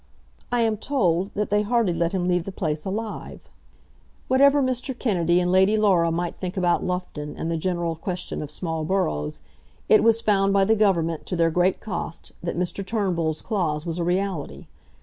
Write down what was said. "I am told that they hardly let him leave the place alive." Whatever Mr. Kennedy and Lady Laura might think about Loughton and the general question of small boroughs, it was found by the Government, to their great cost, that Mr. Turnbull's clause was a reality.